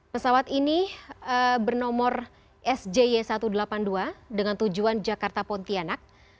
pesawat ini bernomor sjy satu ratus delapan puluh dua dengan tujuan jakarta pontianak